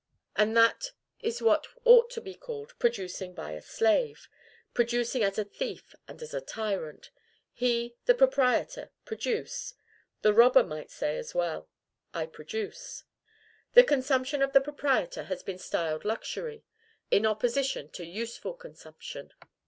And that is what ought to be called PRODUCING BY A SLAVE PRODUCING AS A THIEF AND AS A TYRANT. He, the proprietor, produce!... The robber might say, as well: "I produce." The consumption of the proprietor has been styled luxury, in opposition to USEFUL consumption.